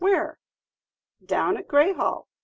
where?" "Down at Greyhall.